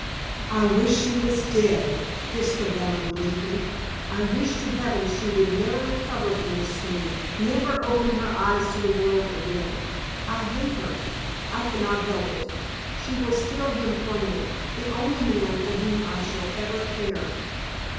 "I wish she was dead!" hissed the woman, bleakly. "I wish to Heaven she would never recover from this swoon, never open her eyes to the world again. I hate her. I can not help it. She will steal him from me the only man for whom I shall ever care.